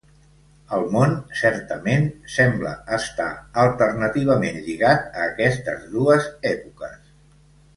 El món, certament, sembla estar alternativament lligat a aquestes dues èpoques.